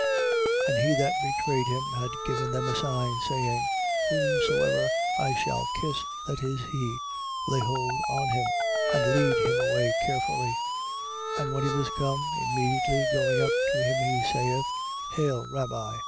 14:44. And he that betrayed him had given them a sign, saying: Whomsoever I shall kiss, that is he. Lay hold on him: and lead him away carefully. 14:45. And when he was come, immediately going up to him he saith: Hail, Rabbi!